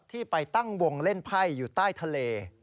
ที่ไปตั้งวงเล่นไพ่อยู่ใต้ทะเล